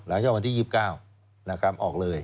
จากวันที่๒๙นะครับออกเลย